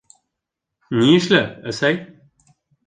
— Ни эшләп, әсәй?